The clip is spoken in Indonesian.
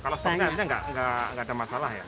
kalau setengah setengah enggak ada masalah ya